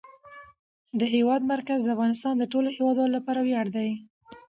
د هېواد مرکز د افغانستان د ټولو هیوادوالو لپاره ویاړ دی.